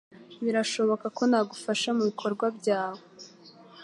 Birashoboka ko nagufasha mubikorwa byawe